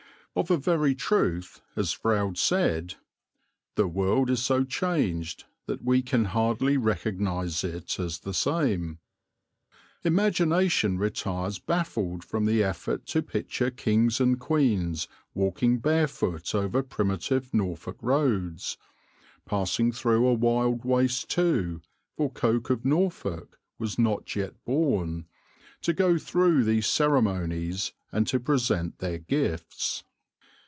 Of a very truth, as Froude said, "The world is so changed that we can hardly recognize it as the same." Imagination retires baffled from the effort to picture kings and queens walking barefoot over primitive Norfolk roads, passing through a wild waste too, for Coke of Norfolk was not yet born, to go through these ceremonies and to present their gifts.